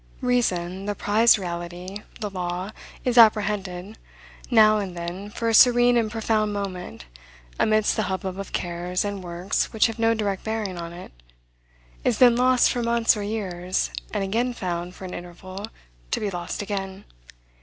Reason, the prized reality, the Law, is apprehended, now and then, for a serene and profound moment, amidst the hubbub of cares and works which have no direct bearing on it; is then lost, for months or years, and again found, for an interval, to be lost again.